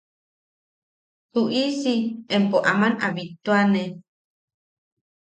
Tuʼisi empo aman a bittuane...